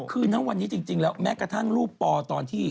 คือณวันนี้จริงแล้วแม้กระทั่งรูปปอตอนที่